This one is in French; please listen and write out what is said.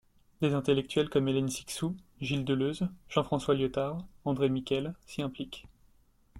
Des intellectuels comme Hélène Cixous, Gilles Deleuze, Jean-François Lyotard, André Miquel s'y impliquent.